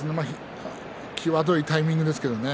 際どいタイミングですけどね。